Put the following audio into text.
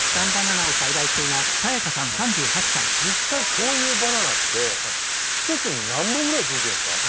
実際こういうバナナって１つに何本ぐらいついてるんですか？